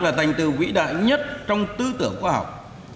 là thành tựu vĩ đại nhất trong tư tưởng khoa học